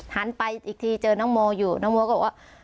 หันไปอีกทีเจอน้องโมอยู่น้องโมก็บอกว่า